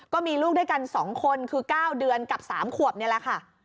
ก็มีลูกด้วยกัน๒คนคือ๙เดือนกับ๓ขวบนี่แหละค่ะ